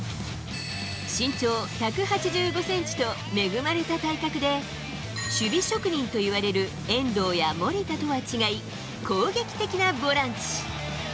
身長１８５センチと、恵まれた体格で、守備職人といわれる遠藤や守田とは違い、攻撃的なボランチ。